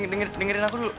eh dengerin aku dulu